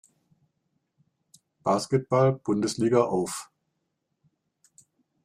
Basketball-Bundesliga auf.